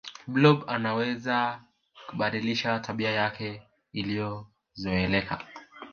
blob anaweza kubadilisha tabia yake iliyozoeleka